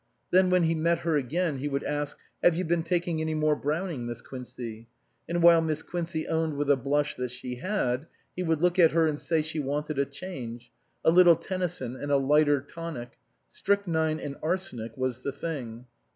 Then when he met her again he would ask, " Have you been taking any more Browning, Miss Quincey ?" and while Miss Quincey owned with a blush that she had, he would look at her and say she wanted a change a little Tennyson and a lighter tonic ; strychnine and arsenic was the thing.